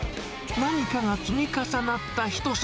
何かが積み重なった一皿。